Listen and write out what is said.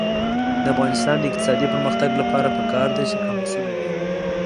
د افغانستان د اقتصادي پرمختګ لپاره پکار ده چې قاموسونه وي.